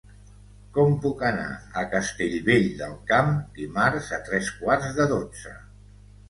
Com puc anar a Castellvell del Camp dimarts a tres quarts de dotze?